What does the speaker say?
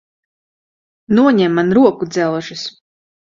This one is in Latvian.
Noņem man rokudzelžus!